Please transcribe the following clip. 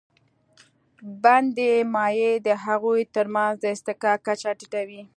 بندي مایع د هغوی تر منځ د اصطحکاک کچه ټیټوي.